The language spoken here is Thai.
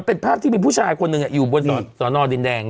มันเป็นภาพที่เป็นผู้ชายคนนึงอยู่บนสนดินแดง